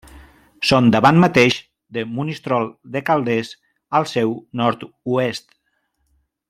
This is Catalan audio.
Són davant mateix de Monistrol de Calders, al seu nord-oest.